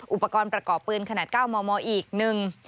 อุปกรณ์ประกอบปืนขนาด๙มมอีกหนึ่ง